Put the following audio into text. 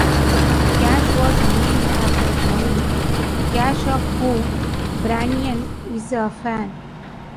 Cash was named after Johnny Cash, of whom Branyan is a fan.